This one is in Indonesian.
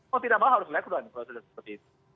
kalau tidak mahal harus dilakukan proses seperti itu